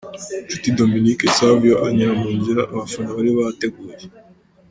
Nshuti Dominique Savio anyura mu nzira abafana bari bateguye.